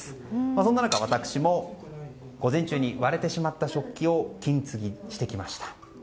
そんな中、私も午前中に割れてしまった食器を金継ぎしてきました。